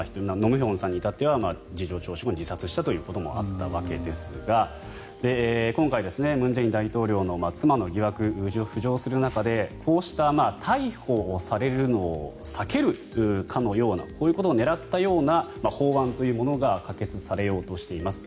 盧武鉉さんに至っては事情聴取後に自殺したということもあったわけですが今回、文在寅大統領の妻の疑惑浮上する中でこうした逮捕されるのを避けるかのようなこういうことを狙ったような法案というものが可決されようとしています。